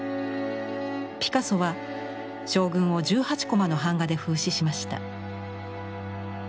ピカソは将軍を１８コマの版画で風刺しました。